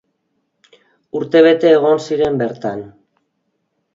Urte bete egon ziren bertan.